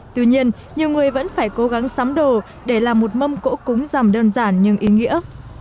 tuy nhiên nhiều người vẫn phải cố gắng sắm đồ để làm một mâm cỗ cúng rằm đơn giản nhưng ý nghĩa